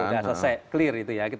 sudah selesai clear itu ya